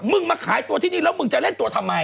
มาขายตัวที่นี่แล้วมึงจะเล่นตัวทำไม